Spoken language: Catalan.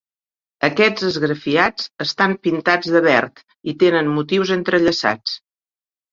Aquests esgrafiats estan pintats de verd i tenen motius entrellaçats.